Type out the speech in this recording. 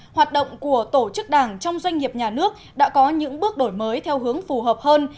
hoạt động của tổ chức đảng trong doanh nghiệp nhà nước đã có những bước đổi mới theo hướng phù hợp hơn